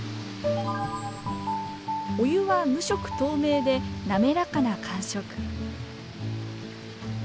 お湯は無色透明で滑らかな感触。